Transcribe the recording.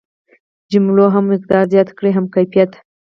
جملو هم مقدار زیات کړ هم کیفیت.